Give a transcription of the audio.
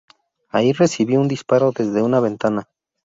Ahí recibió un disparo desde una ventana.